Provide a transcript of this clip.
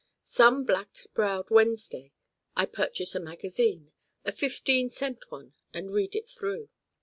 Some black browed Wednesday I purchase a magazine, a fifteen cent one, and read it through.